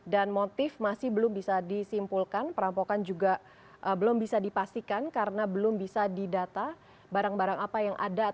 dan motif masih belum bisa disimpulkan perampokan juga belum bisa dipastikan karena belum bisa didata barang barang apa yang ada atau barang barang lain